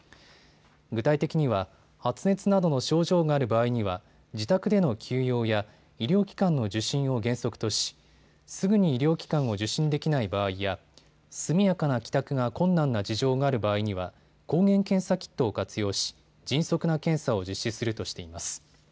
具体的には、発熱などの症状がある場合には自宅での休養や医療機関の受診を原則としすぐに医療機関を受診できない場合や速やかな帰宅が困難な事情がある場合には抗原検査キットを活用し、迅速な検査を実施するとしています。